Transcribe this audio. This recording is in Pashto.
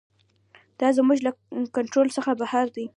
دا زموږ له کنټرول څخه بهر دی.